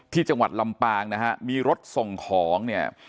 ที่จังหวัดลำปางนะฮะมีรถส่งของเนี่ย